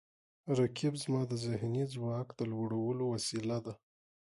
رقیب زما د ذهني ځواک د لوړولو وسیله ده